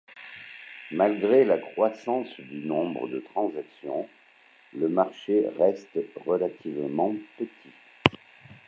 Malgré la croissance du nombre de transaction, le marché reste relativement petit.